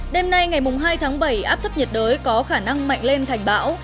đêm nay ngày hai tháng bảy áp thấp nhiệt đới có khả năng mạnh lên thành bão